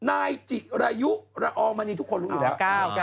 นายจิรายุระอองมณีทุกคนรู้อยู่แล้ว